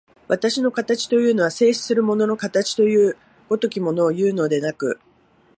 私の形というのは、静止する物の形という如きものをいうのでなく、